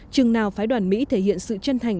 chừng nào phái đoàn mỹ thể hiện sự chân thành